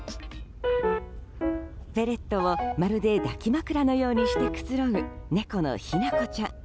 フェレットを、まるで抱き枕のようにしてくつろぐ猫のひな子ちゃん。